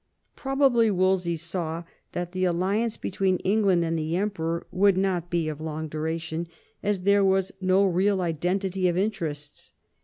Probably Wolsey saw that the alliance between England and the Emperor would not be of long duration, as there was no real identity of interests.